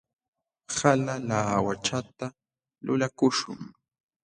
Hala laawachata lulakuśhun.